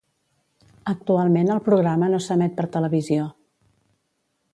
Actualment el programa no s'emet per televisió.